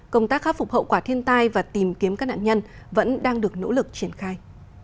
công tác khắc phục hậu quả thiên tai và tìm kiếm các nạn nhân vẫn đang được nỗ lực triển khai